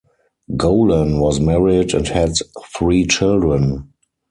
Golan was married and had three children.